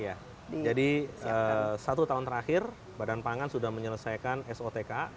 iya jadi satu tahun terakhir badan pangan sudah menyelesaikan sotk